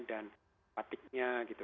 dan batiknya gitu